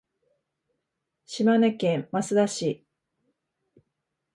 島根県益田市